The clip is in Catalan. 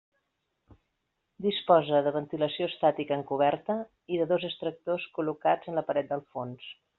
Disposa de ventilació estàtica en coberta i de dos extractors col·locats en la paret del fons.